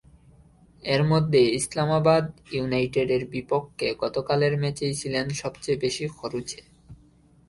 এর মধ্যে ইসলামাবাদ ইউনাইটেডের বিপক্ষে গতকালের ম্যাচেই ছিলেন সবচেয়ে বেশি খরুচে।